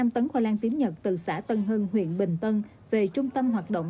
ba năm tấn khoai lang tiếm nhật từ xã tân hưng huyện bình tân về trung tâm hoạt động